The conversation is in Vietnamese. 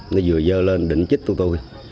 nó vừa dơ lên đỉnh chích tụi tôi